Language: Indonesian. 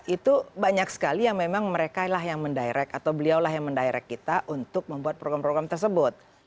itu banyak sekali yang memang mereka lah yang mendirect atau beliau lah yang mendirect kita untuk membuat program program tersebut